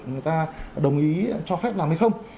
người ta đồng ý cho phép làm hay không